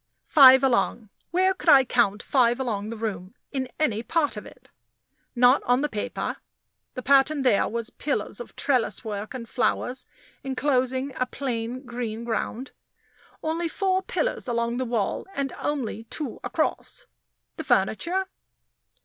"Five along" where could I count five along the room, in any part of it? Not on the paper. The pattern there was pillars of trellis work and flowers, inclosing a plain green ground only four pillars along the wall and only two across. The furniture?